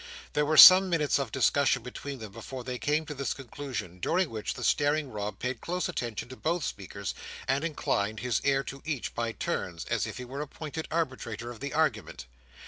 There were some minutes of discussion between them before they came to this conclusion, during which the staring Rob paid close attention to both speakers, and inclined his ear to each by turns, as if he were appointed arbitrator of the argument.